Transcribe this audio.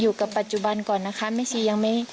อยู่กับปัจจุบันก่อนนะคะ